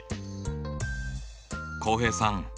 浩平さん